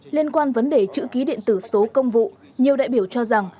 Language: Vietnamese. liên quan vấn đề chữ ký điện tử số công vụ nhiều đại biểu cho rằng